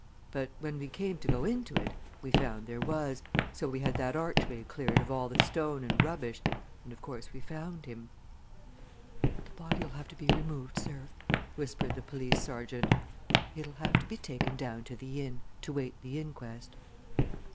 But when we came to go into it, we found there was, so we had that archway cleared of all the stone and rubbish and of course we found him." "The body'll have to be removed, sir," whispered the police sergeant. "It'll have to be taken down to the inn, to wait the inquest."